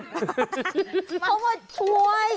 เขาก็ช่วย